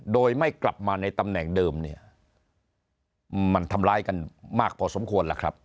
โดยไม่กลับมาในตำแหน่งเดิมเนี่ยมันทำร้ายกันมากพอสมควรล่ะครับ